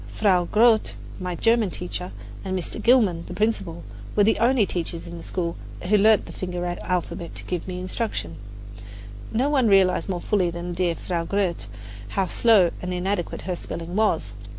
Frau Grote, my German teacher, and Mr. Gilman, the principal, were the only teachers in the school who learned the finger alphabet to give me instruction. No one realized more fully than dear Frau Grote how slow and inadequate her spelling was.